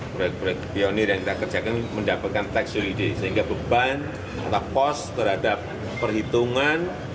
proyek proyek pionir yang kita kerjakan mendapatkan tax holiday sehingga beban atau pos terhadap perhitungan